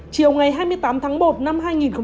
chiều ngày hai mươi tám tháng một năm hai nghìn một mươi hai